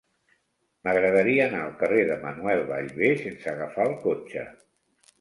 M'agradaria anar al carrer de Manuel Ballbé sense agafar el cotxe.